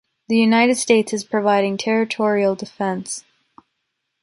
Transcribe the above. The United States is providing territorial defense.